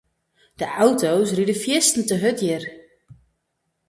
De auto's riede fiersten te hurd hjir.